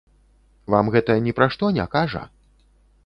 Вам гэта ні пра што не кажа?